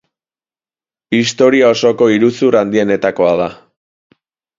Historia osoko iruzur handienetakoa da.